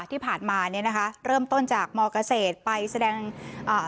ที่ผ่านมาเนี้ยนะคะเริ่มต้นจากมเกษตรไปแสดงอ่า